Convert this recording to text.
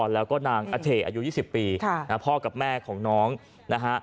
แล้วก็นางอเทอายุ๒๐ปีพ่อกับแม่ของน้องนะฮะ